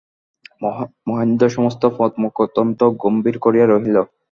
মহেন্দ্র সমস্ত পথ মুখ অত্যন্ত গম্ভীর করিয়া রহিল।